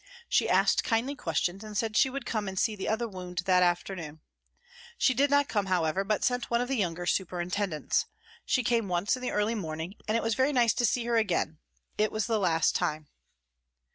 She asked kindly questions, and said she would come and see the other wound that afternoon. She did not come, however, but sent one of the younger superintendents. She came once hi the early morning, and it was very nice to see her again ; it was the last time.